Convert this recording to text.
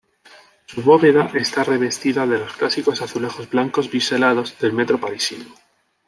Su bóveda está revestida de los clásicos azulejos blancos biselados del metro parisino.